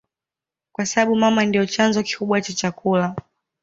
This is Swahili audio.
kwasababu mama ndio chanzo kikubwa cha chakula